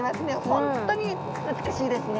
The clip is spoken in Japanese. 本当に美しいですね。